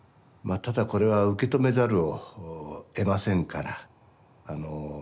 まあただこれは受け止めざるをえませんから。